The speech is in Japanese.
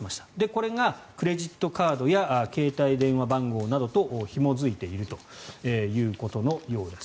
これがクレジットカードや携帯電話番号などとひも付いているということのようです。